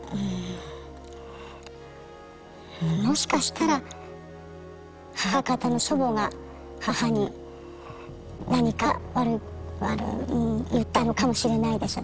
もしかしたら母方の祖母が母に何か言ったのかもしれないです。